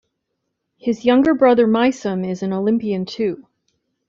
His younger brother Meisam is an Olympian too.